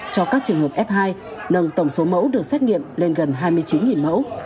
cho các trường hợp f hai nâng tổng số mẫu được xét nghiệm lên gần hai mươi chín mẫu